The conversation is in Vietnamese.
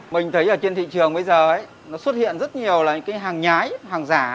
mình thấy ở trên thị trường bây giờ ấy nó xuất hiện rất nhiều là những cái hàng nhái hàng giả